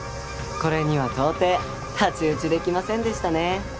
これには到底太刀打ちできませんでしたね。